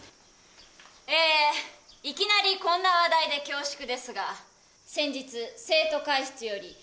えーいきなりこんな話題で恐縮ですが先日生徒会室より学園祭費用